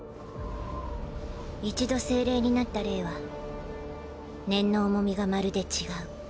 一度精霊になった霊は念の重みがまるで違う。